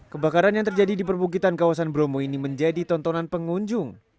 kebakaran yang terjadi di perbukitan kawasan bromo ini menjadi tontonan pengunjung